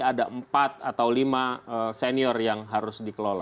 ada empat atau lima senior yang harus dikelola